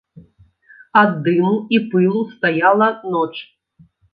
Ад дыму і пылу стаяла ноч.